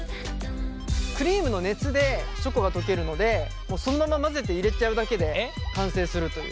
クリームの熱でチョコが溶けるのでそのまま混ぜて入れちゃうだけで完成するという。